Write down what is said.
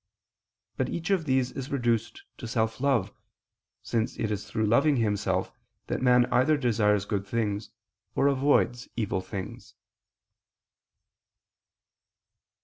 But each of these is reduced to self love, since it is through loving himself that man either desires good things, or avoids evil things.